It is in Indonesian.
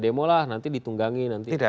demo lah nanti ditunggangi